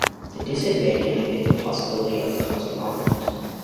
The disadvantage is the possibility of causing offense.